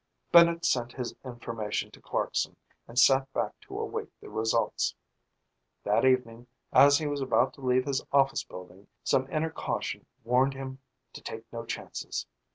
Bennett sent his information to Clarkson and sat back to await the results. That evening, as he was about to leave his office building, some inner caution warned him to take no chances.